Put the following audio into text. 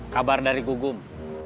kabar dari gugum